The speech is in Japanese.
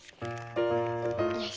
よし。